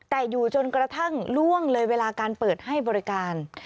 แต่อยู่จนกระทั่งล่วงเลยเวลาการเปิดให้บริการ